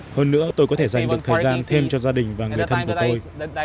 hơn nữa tôi có thể dành được thời gian thêm cho gia đình và người thân của tôi